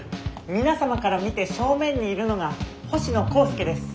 皆様から見て正面にいるのが星野光助です。